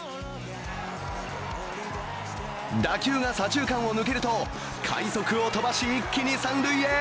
打球が左中間を抜けると、快足を飛ばし、一気に三塁へ。